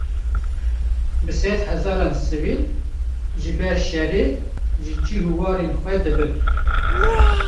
Bi sed hezaran sivîl, ji ber şerê, ji cih û warên xwe dibin